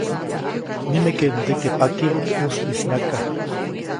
Nimekeʼuŋdeʼe pakibä teʼ ʼuspiʼis nyaka.